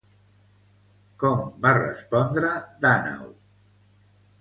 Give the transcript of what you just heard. Com va respondre Dànau?